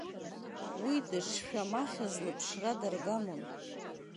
Уи дышшәамахьыз лыԥшра даргамон.